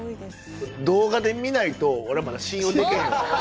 動画で見ないと俺はまだ信用でけへんわ。